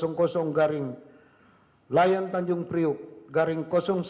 garing layan tanjung priuk garing satu ratus enam puluh sembilan